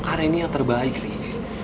karena ini yang terbaik rie